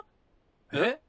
えっ？